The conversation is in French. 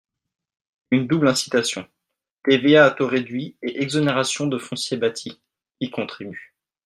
Une double incitation – TVA à taux réduit et exonération de foncier bâti – y contribue.